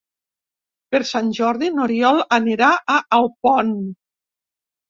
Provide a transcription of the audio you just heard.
Per Sant Jordi n'Oriol anirà a Alpont.